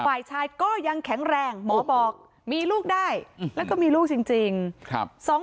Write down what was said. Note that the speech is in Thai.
ฝ่ายชายก็ยังแข็งแรงหมอบอกมีลูกได้แล้วก็มีลูกจริงครับ